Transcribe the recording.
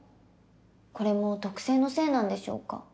これも特性のせいなんでしょうか？